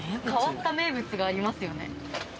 変わった名物がありますよね？